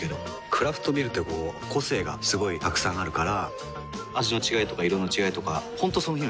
クラフトビールってこう個性がすごいたくさんあるから味の違いとか色の違いとか本当その日の気分。